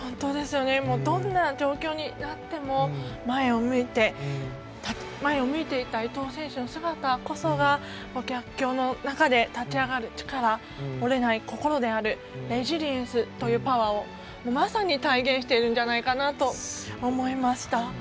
どんな状況になっても前を向いていた伊藤選手の姿こそが逆境の中で立ち上がる力折れない心であるレジリエンスというパワーをまさに体現してるんじゃないかと思いました。